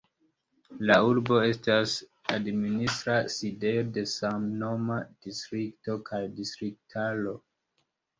La urbo estas administra sidejo de samnoma distrikto kaj distriktaro.